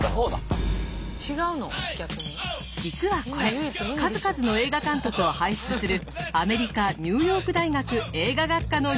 実はこれ数々の映画監督を輩出するアメリカニューヨーク大学映画学科の入試問題。